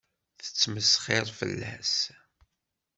Tettmesxiṛ fell-as.